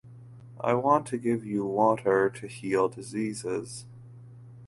I want to give you water to heal diseases.